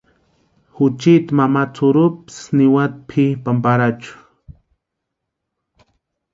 Juchiti mama tsʼurupsi niwati pʼipani Parachu.